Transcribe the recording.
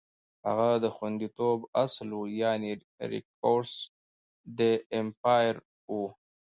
هغه د خوندیتوب اصل و، یعنې ریکورسو ډی امپارو و.